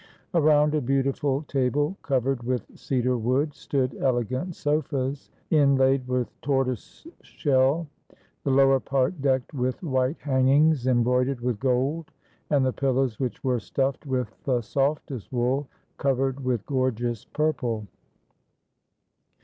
Around a beautiful table, covered with cedar wood, stood elegant sofas, inlaid with tortoise shell; the lower part decked with white hangings em broidered with gold, and the pillows, which were stuffed with the softest wool, covered with gorgeous purple.